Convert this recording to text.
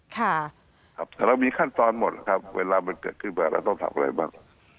แต่เรามีขั้นตอนหมดครับเวลามันเกิดขึ้นมาเราต้องทำอะไรบ้าง